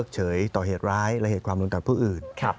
ขอมอบจากท่านรองเลยนะครับขอมอบจากท่านรองเลยนะครับขอมอบจากท่านรองเลยนะครับ